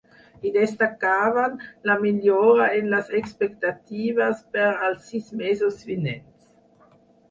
I destacaven la millora en les expectatives per als sis mesos vinents.